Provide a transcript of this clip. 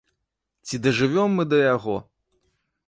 Ці дажывём мы да яго?